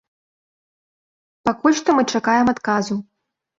Пакуль што мы чакаем адказу.